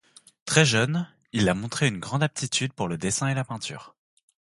Très jeune, il a montré une grande aptitude pour le dessin et la peinture.